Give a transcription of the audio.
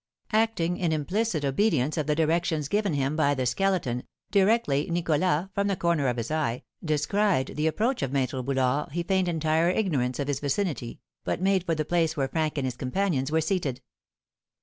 Acting in implicit obedience to the directions given him by the Skeleton, directly Nicholas, from the corner of his eye, descried the approach of Maître Boulard, he feigned entire ignorance of his vicinity, but made for the place where Frank and his companions were seated.